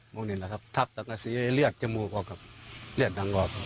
ล้มนี่แหละครับทักสักสีเลือดจมูกแล้วกับเลือดดังกอบ